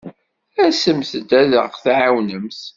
Asemt-d ad aɣ-tɛawnemt.